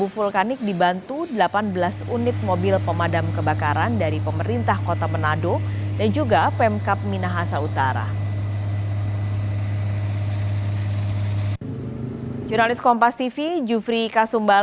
pertama penerbangan penerbangan di jumat besok